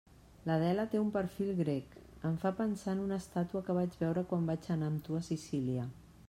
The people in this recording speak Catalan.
L'Adela té un perfil grec, em fa pensar en una estàtua que vaig veure quan vaig anar amb tu a Sicília.